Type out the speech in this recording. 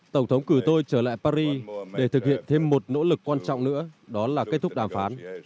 tổng thống cử tôi trở lại paris để thực hiện thêm một nỗ lực quan trọng nữa đó là kết thúc đàm phán